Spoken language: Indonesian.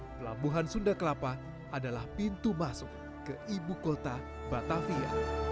pelabuhan sunda kelapa adalah pintu masuk ke ibu kota batavia